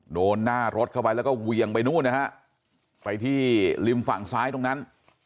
โดนหน้ารถเข้าไปแล้วก็เวียงไปนู่นนะฮะไปที่ริมฝั่งซ้ายตรงนั้น